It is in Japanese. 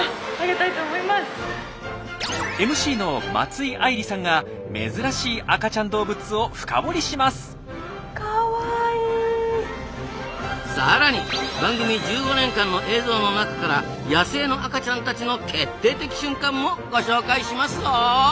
ＭＣの松井愛莉さんがさらに番組１５年間の映像の中から野生の赤ちゃんたちの決定的瞬間もご紹介しますぞ！